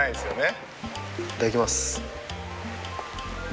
いただきます。